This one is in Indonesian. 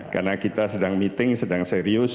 karena kita sedang meeting sedang serius